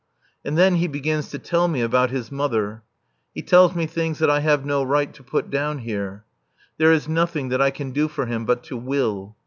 And then he begins to tell me about his mother. He tells me things that I have no right to put down here. There is nothing that I can do for him but to will.